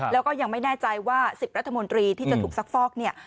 แล้วก็ยังไม่แน่ใจว่า๑๐รัฐมนตรีที่จะถูกซักฟอกเนี่ย